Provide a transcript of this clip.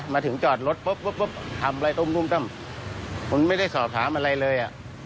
มาถึงจอดรถปุ๊บทำอะไรต้มผมไม่ได้สอบถามอะไรเลย